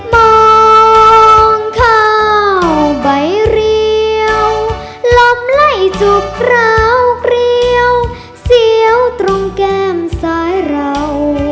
มองเข้าไปริวหล่อมไหลจุกราวเกลี้ยวเสี่ยวตรงแก้มซ้ายเรา